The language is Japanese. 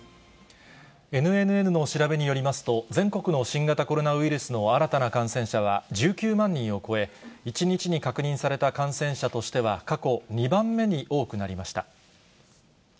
ＮＮＮの調べによりますと、全国の新型コロナウイルスの新たな感染者は１９万人を超え、１日に確認された感染者としては、過去２番目に多くなりました。